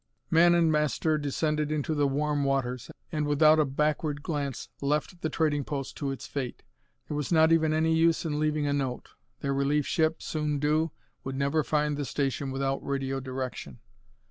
Man and master descended into the warm waters and, without a backward glance, left the trading post to its fate. There was not even any use in leaving a note. Their relief ship, soon due, would never find the station without radio direction.